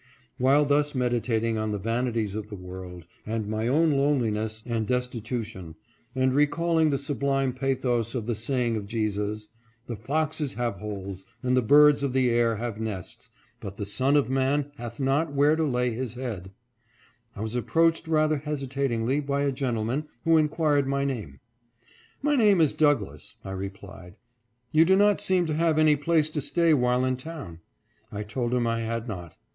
While thus meditating on the vanities of the world and my own loneliness and destitution, and recalling the sublime pathos of the saying of Jesus, " The foxes have holes, and the birds of the air have nests, but the Son of Man hath not where to lay His head," I was approached rather hesitatingly by a gentleman, who inquired my name. " My name is Douglass," I replied. " You do not seem to have any place to stay while in town." I told him I had not.